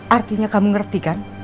artinya kamu ngerti kan